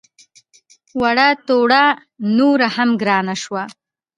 د وړو تروړه نوره هم ګرانه شوه